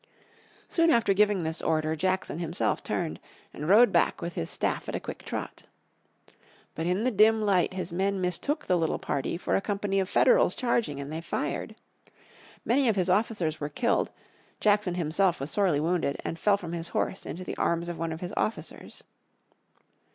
Soon after giving this order Jackson himself turned, and rode back with his staff at a quick trot. But in the dim light his men mistook the little party for a company of Federals charging, and they fired. Many of his officers were killed, Jackson himself was sorely wounded and fell from his horse into the arms of one of his officers.